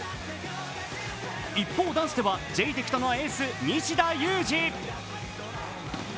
一方男子では、ジェイテクトのエース・西田有志。